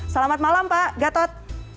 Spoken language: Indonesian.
selamat malam pak gatot